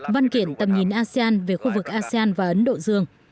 văn kiện tầm nhìn asean về khu vực asean và ấn độ dương